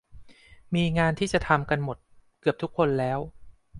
มีงานที่จะทำกันหมด เกือบทุกคนแล้ว